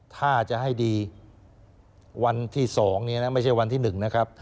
ถ้าจะให้ดีวันที่๒เนี่ยนะไม่ใช่วันที่๑นะครับ